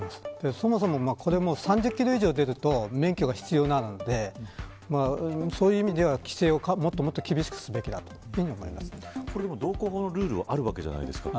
そもそも３０キロ以上が出ると免許が必要なのでそういう意味では規制をもっと厳しくすべきだと道交法のルールがあるわけじゃないですか。